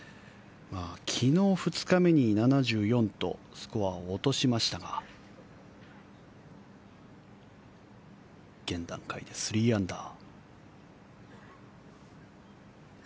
昨日、２日目に７４とスコアを落としましたが現段階で３アンダー。